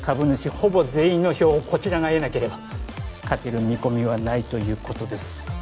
ほぼ全員の票をこちらが得なければ勝てる見込みはないということです